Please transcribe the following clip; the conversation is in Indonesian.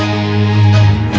arus lots peryani